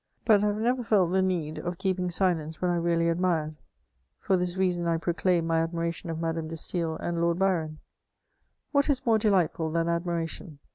But I have never felt the need of keeping silence when I really admired ; for this reason I pro claim my admiration of Madame de Stael and Lord Byron. What is more delightful than admiration